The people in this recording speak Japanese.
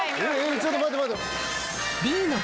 ちょっと待って待って。